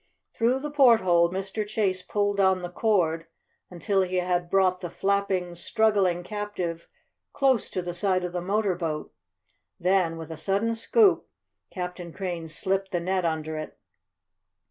Through the porthole Mr. Chase pulled on the cord until he had brought the flapping, struggling captive close to the side of the motor boat. Then, with a sudden scoop, Captain Crane slipped the net under it.